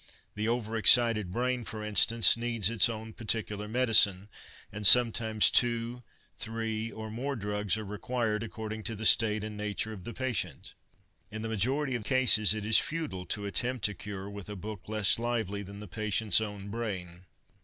The over excited brain, for instance, needs its own particular medicine, and sometimes two, three, or more drugs are required, according BEDSIDE BOOKS 93 to the state and nature of the patient. In the majority of cases it is futile to attempt a cure with a book less lively than the patient's own brain.